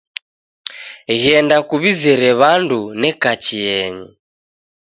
Ghenda kuw'izere w'andu neka chienyi